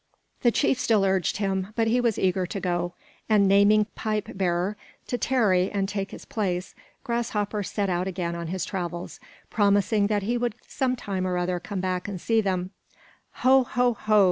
The chief still urged him, but he was eager to go, and naming Pipe bearer to tarry and take his place, Grasshopper set out again on his travels, promising that he would some time or other come back and see them. "Ho! ho! ho!"